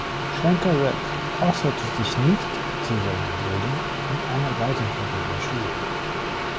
Schenker selbst äußerte sich nicht zu seiner Bildung in einer weiterführenden Schule.